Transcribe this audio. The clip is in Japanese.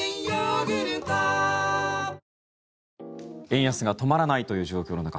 円安が止まらないという状況の中